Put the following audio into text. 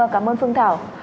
cảm ơn phương thảo